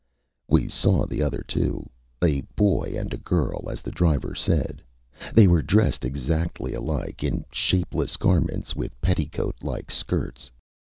Â We saw the other two: a boy and a girl, as the driver said. They were dressed exactly alike, in shapeless garments with petticoat like skirts.